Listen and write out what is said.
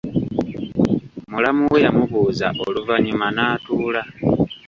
Mulamu we yamubuuza oluvanyuma n'atuula.